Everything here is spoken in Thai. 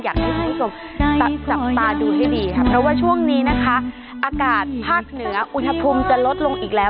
อยากให้คุณผู้ชมจับตาดูให้ดีค่ะเพราะว่าช่วงนี้นะคะอากาศภาคเหนืออุณหภูมิจะลดลงอีกแล้ว